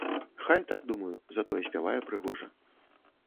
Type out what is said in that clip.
Хай так, думаю, затое спявае прыгожа.